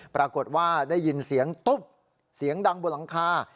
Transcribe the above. ปรากฏว่าได้ยินเสียงตุ๊บเสียงดังบนหลังคา